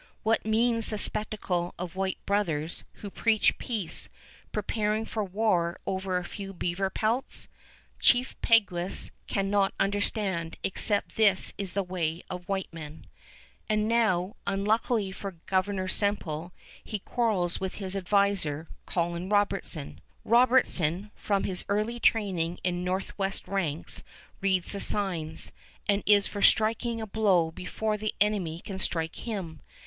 What means the spectacle of white brothers, who preach peace, preparing for war over a few beaver pelts? Chief Peguis cannot understand, except this is the way of white men. And now, unluckily for Governor Semple, he quarrels with his adviser, Colin Robertson. Robertson, from his early training in Northwest ranks, reads the signs, and is for striking a blow before the enemy can strike him.